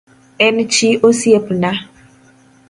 En chi osiepna